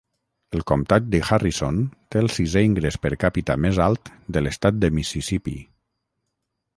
El comtat de Harrison té el sisè ingrés per càpita més alt de l'Estat de Mississippi.